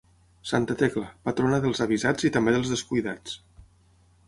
Santa Tecla, patrona dels avisats i també dels descuidats.